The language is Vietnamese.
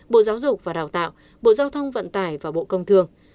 bộ giáo dục và đào tạo bộ giao thông vận tải và bộ công thương